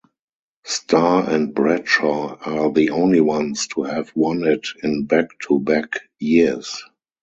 Starr and Bradshaw are the only ones to have won it in back-to-back years.